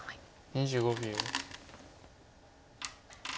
２５秒。